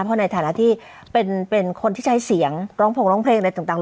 เพราะในฐานะที่เป็นคนที่ใช้เสียงร้องผงร้องเพลงอะไรต่าง